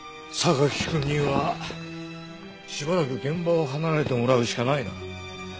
榊くんにはしばらく現場を離れてもらうしかないな。